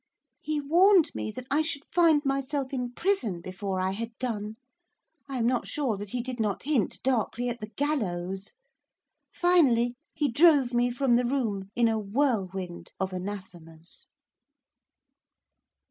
He warned me that I should find myself in prison before I had done, I am not sure that he did not hint darkly at the gallows. Finally, he drove me from the room in a whirlwind of anathemas.